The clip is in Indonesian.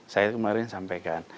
saya kemarin sampaikan